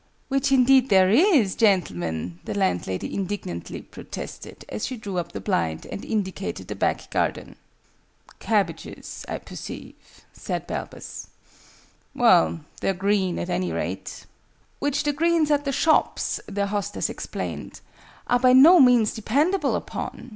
"Which indeed there is, gentlemen!" the landlady indignantly protested, as she drew up the blind, and indicated the back garden. "Cabbages, I perceive," said Balbus. "Well, they're green, at any rate." "Which the greens at the shops," their hostess explained, "are by no means dependable upon.